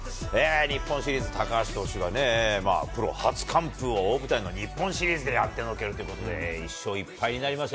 日本シリーズ高橋投手がプロ初完封を大舞台の日本シリーズでやってのけるということで１勝１敗になりまして。